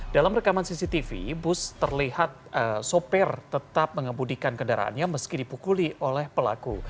dalam rekaman cctv bus terlihat sopir tetap mengembudikan kendaraannya meski dipukuli oleh pelaku